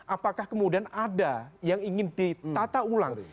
apakah kemudian ada yang ingin ditata ulang